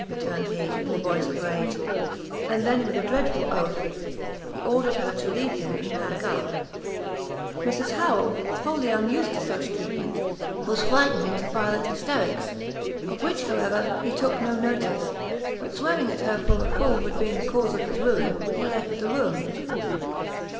returned he, in a voice of rage; and then, with a dreadful oath, he ordered her to leave him and pack up. Mrs Harrel, wholly unused to such treatment, was frightened into violent hysterics; of which, however, he took no notice, but swearing at her for a fool who had been the cause of his ruin, he left the room.